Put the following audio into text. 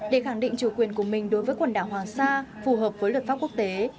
để khẳng định chủ quyền của mình đối với quần đảo hoàng sa phù hợp với luật pháp quốc tế